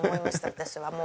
私はもう。